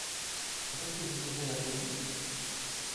Quand est-ce que vous irez à Delhi ?